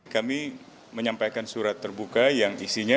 kami menyampaikan surat terbuka yang isinya